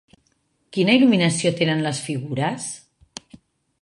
Quina il·luminació tenen les figures?